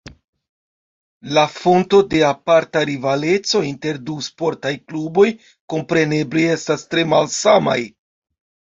La fontoj de aparta rivaleco inter du sportaj kluboj kompreneble estas tre malsamaj.